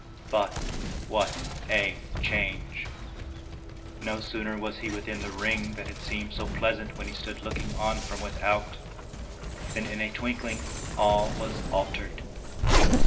But what a change! No sooner was he within the ring that had seemed so pleasant when he stood looking on from without, than in a twinkling all was altered.